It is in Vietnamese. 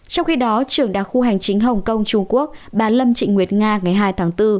trong khi đó trưởng đặc khu hành chính hồng kông trung quốc bà lâm trịnh nguyệt nga ngày hai tháng bốn